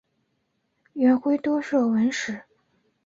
元晖多涉文史。